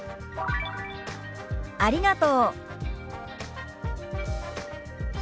「ありがとう」。